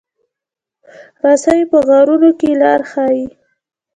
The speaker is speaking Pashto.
رسۍ په غارونو کې لار ښيي.